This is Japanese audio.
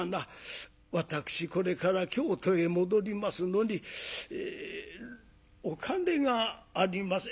私これから京都へ戻りますのにお金がありません。